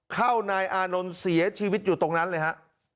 นายอานนท์เสียชีวิตอยู่ตรงนั้นเลยฮะ